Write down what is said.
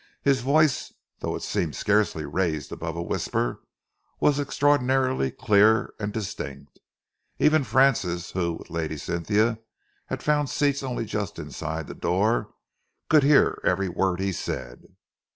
His voice, though it seemed scarcely raised above a whisper, was extraordinarily clear and distinct. Even Francis, who, with Lady Cynthia, had found seats only just inside the door, could hear every word he said.